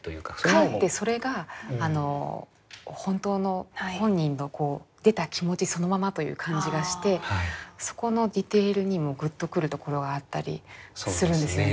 かえってそれが本当の本人の出た気持ちそのままという感じがしてそこのディテールにもグッとくるところがあったりするんですよね。